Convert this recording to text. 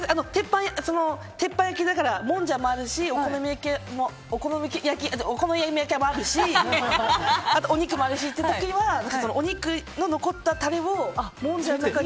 鉄板焼きだからもんじゃもあるしお好み焼きもあるしお肉もあるしって時はお肉の残ったタレをもんじゃとかに。